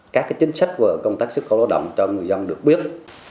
các chính sách về công tác sức khỏe lao động cho người dân được biết